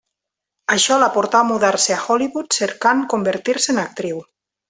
Això la portà a mudar-se a Hollywood cercant convertir-se en actriu.